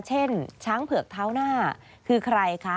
เช่นช้างเผือกเท้าหน้าคือใครคะ